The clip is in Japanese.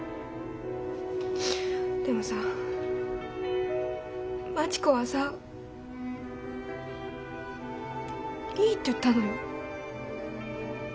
でもさ待子はさ「いい」って言ったのよ。